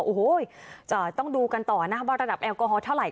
โอ้โหจะต้องดูกันต่อนะว่าระดับแอลกอฮอลเท่าไห